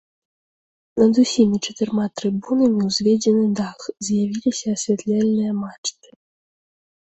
Над усімі чатырма трыбунамі ўзведзены дах, з'явіліся асвятляльныя мачты.